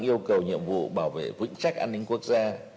yêu cầu nhiệm vụ bảo vệ vững chắc an ninh quốc gia